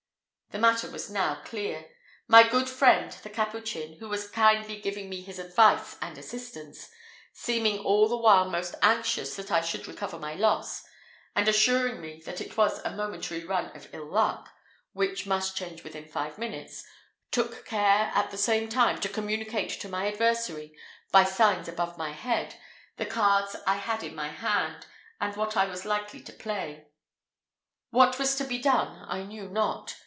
The matter was now clear; my good friend, the Capuchin, who was kindly giving me his advice and assistance, seeming all the while most anxious that I should recover my loss, and assuring me that it was a momentary run of ill luck, which must change within five minutes, took care, at the same time, to communicate to my adversary, by signs above my head, the cards I had in my hand, and what I was likely to play. What was to be done I knew not.